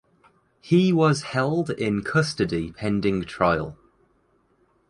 He was held in custody pending trial.